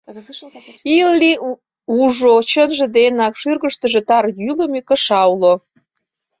Илли ужо: чынже денак шӱргыштыжӧ тар йӱлымӧ кыша уло.